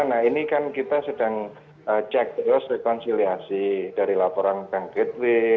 nah ini kan kita sedang cek terus rekonsiliasi dari laporan bank gateway